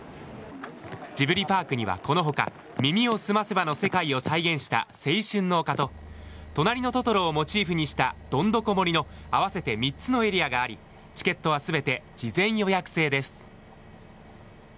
ジブリパークにはこのほか、耳をすませばの世界を再現した青春の丘と、となりのトトロをモチーフにしたどんどこ森の合わせて３つのエリアがあり、チケットはすべて事前予約制です。